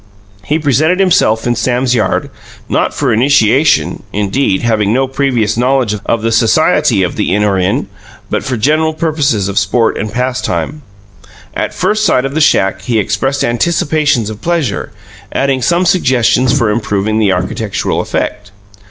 He presented himself in Sam's yard, not for initiation, indeed having no previous knowledge of the Society of the In Or In but for general purposes of sport and pastime. At first sight of the shack he expressed anticipations of pleasure, adding some suggestions for improving the architectural effect.